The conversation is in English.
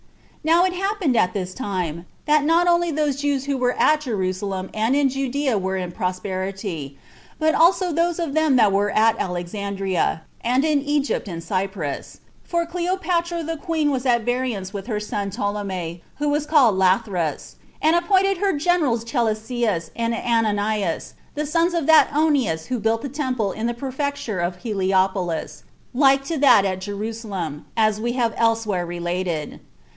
4. Now it happened at this time, that not only those Jews who were at Jerusalem and in Judea were in prosperity, but also those of them that were at Alexandria, and in Egypt and Cyprus; for Cleopatra the queen was at variance with her son Ptolemy, who was called Lathyrus, and appointed for her generals Chelcias and Ananias, the sons of that Onias who built the temple in the prefecture of Heliopolis, like to that at Jerusalem, as we have elsewhere related.